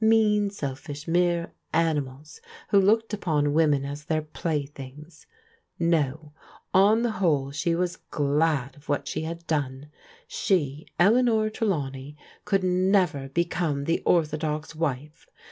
Mean, selfish, mere animals indio looked upon women as their playthings. No, on the idicJe she was glad of what she had done. She, Eleanor Trdawney, could never become the orthodox wife.